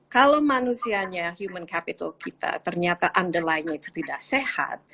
kalau manusianya human capital kita ternyata underly nya itu tidak sehat